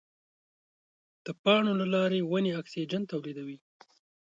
د پاڼو له لارې ونې د اکسیجن تولید کوي.